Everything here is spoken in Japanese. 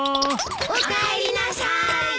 おかえりなさい。